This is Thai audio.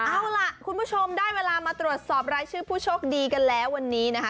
เอาล่ะคุณผู้ชมได้เวลามาตรวจสอบรายชื่อผู้โชคดีกันแล้ววันนี้นะคะ